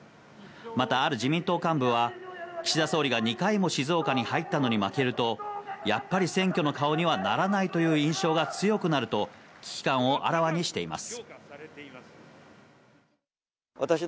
またある自民党幹部は岸田総理が２回も静岡に入ったのに負けるとやっぱり選挙の顔にはならないという印象が強くなると危機感をあらわにしています。